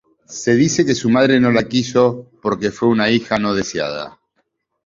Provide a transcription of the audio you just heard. Se dice que su madre no la quiso porque fue una hija no deseada.